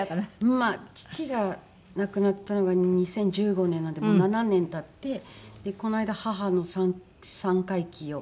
まあ父が亡くなったのが２０１５年なのでもう７年経ってこの間母の三回忌を。